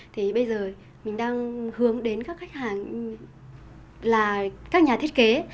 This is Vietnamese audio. thì bây giờ mình đang hướng đến các khách hàng là các nhà thiết kế